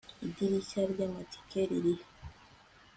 idirishya ryamatike ririhe